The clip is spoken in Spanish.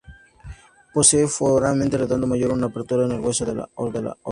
Posee un foramen redondo mayor, una abertura en el huesos de la órbita.